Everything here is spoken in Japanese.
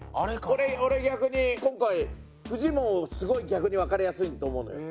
俺逆に今回フジモンすごい逆にわかりやすいと思うのよ。